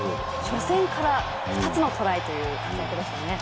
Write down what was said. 初戦から２つのトライという活躍でしたね。